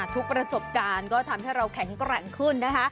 ทุกประสบการณ์ก็ทำให้เราแข็งแกร่งขึ้นนะคะ